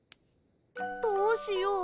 どうしよう